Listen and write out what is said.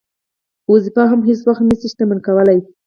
دنده مو هېڅ وخت نه شي شتمن کولای.